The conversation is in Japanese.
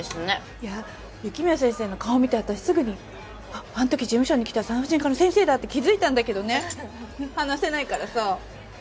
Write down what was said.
いや雪宮先生の顔見て私すぐにあっあの時事務所に来た産婦人科の先生だって気づいたんだけどね話せないからさ。